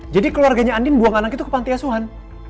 jadi keluarganya andin buang anak itu ke pantai asuhan